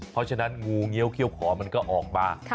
เพราะฉะนั้นงูเงี้ยวเขี้ยวขอมันก็ออกมา